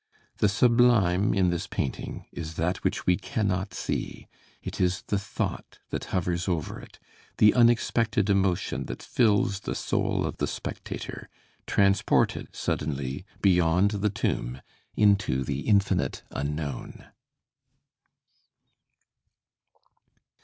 The sublime in this painting is that which we cannot see; it is the thought that hovers over it, the unexpected emotion that fills the soul of the spectator, transported suddenly beyond the tomb into the infinite unknown.